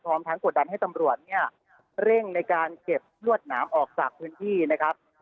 พร้อมทั้งกดดันให้ตำรวจเนี่ยเร่งในการเก็บลวดหนามออกจากพื้นที่นะครับ